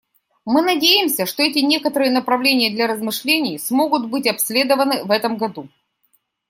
Мы надеемся, что эти некоторые направления для размышлений смогут быть обследованы в этом году.